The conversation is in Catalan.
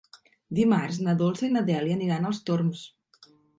Dimarts na Dolça i na Dèlia aniran als Torms.